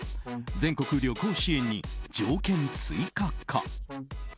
全国旅行支援に条件追加か。